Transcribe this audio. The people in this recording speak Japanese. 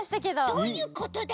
どういうことだろう？